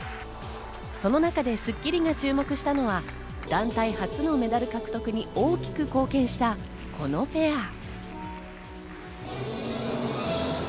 その中で『スッキリ』が注目したのは、団体初のメダル獲得に大きく貢献したこのペア。